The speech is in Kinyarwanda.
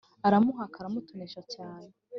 aramuhaka, aramutonesha cyane.